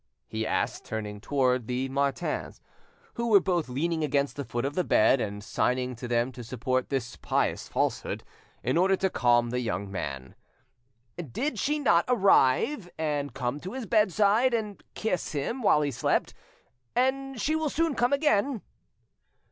he asked, turning towards the Martins, who were both leaning against the foot of the bed, and signing to them to support this pious falsehood, in order to calm the young man. "Did she not arrive and come to his bedside and kiss him while he slept, and she will soon come again?"